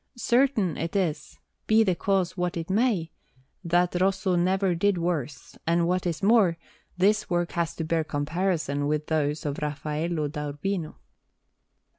Certain it is, be the cause what it may, that Rosso never did worse; and, what is more, this work has to bear comparison with those of Raffaello da Urbino.